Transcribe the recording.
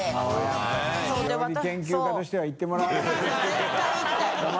絶対行きたい。